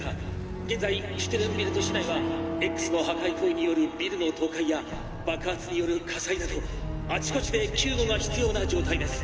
現在シュテルンビルト市内はＸの破壊行為によるビルの倒壊や爆発による火災などあちこちで救護が必要な状態です」。